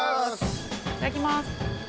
いただきます。